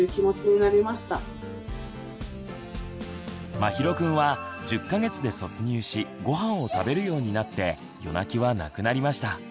まひろくんは１０か月で卒乳しごはんを食べるようになって夜泣きはなくなりました。